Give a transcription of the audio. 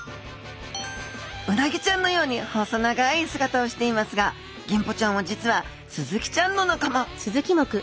うなぎちゃんのように細長い姿をしていますがギンポちゃんは実はスズキちゃんの仲間。